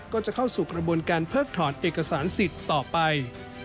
ก็จะเข้าสู่กระบวนการเพิกถอนเอกสารสิทธิ์ต่อไป